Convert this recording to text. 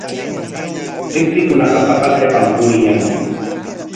Tsiktsikunaqa paqasllapam puriyan.